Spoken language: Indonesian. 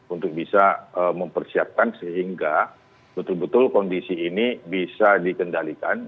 untuk bisa mempersiapkan sehingga betul betul kondisi ini bisa dikendalikan